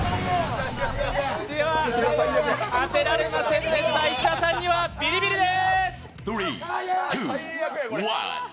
当てられませんでした、石田さんにはビリビリです。